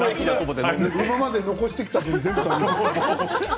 今まで残してきた分全部。